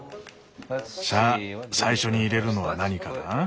さあ最初に入れるのは何かな？